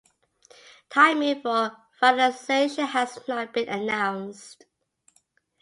Timing for finalization has not been announced.